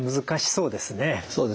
そうですね。